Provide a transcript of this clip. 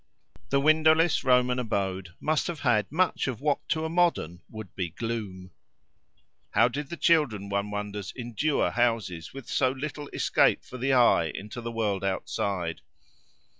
The window less Roman abode must have had much of what to a modern would be gloom. How did the children, one wonders, endure houses with so little escape for the eye into the world outside?